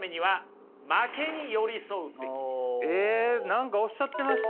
何かおっしゃってましたね。